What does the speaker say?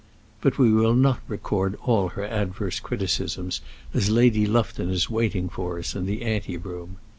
But we will not record all her adverse criticisms, as Lady Lufton is waiting for us in the ante room.